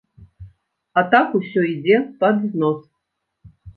А так усё ідзе пад знос.